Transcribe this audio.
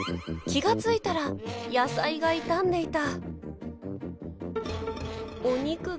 気が付いたら野菜が傷んでいた。